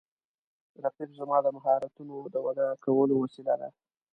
رقیب زما د مهارتونو د وده کولو وسیله ده